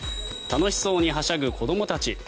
楽しそうにはしゃぐ子どもたち。